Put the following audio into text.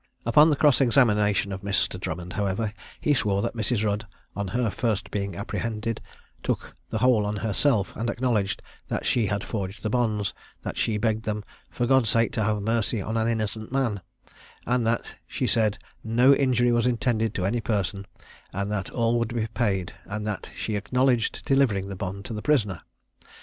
Upon the cross examination of Mr. Drummond, however, he swore that Mrs. Rudd on her being first apprehended, took the whole on herself, and acknowledged that she had forged the bonds; that she begged them "for God's sake to have mercy on an innocent man," and that she said no injury was intended to any person, and that all would be paid; and that she acknowledged delivering the bond to the prisoner.